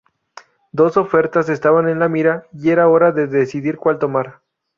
Dos ofertas estaban en la mira y era hora de decidir cual tomar.